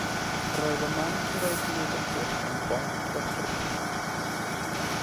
Roedd y man lle'r oedd hi'n ei gyffwrdd yn boeth gyda ffrithiant.